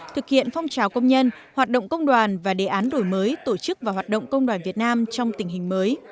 thực hiện phong trào công nhân hoạt động công đoàn và đề án đổi mới tổ chức và hoạt động công đoàn việt nam trong tình hình mới